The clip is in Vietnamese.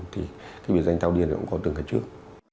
thì cái biệt danh thao điên này cũng có từng cái trước